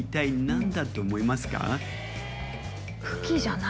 何だと思いますか？